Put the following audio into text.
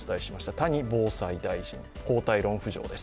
谷防災大臣交代論浮上です。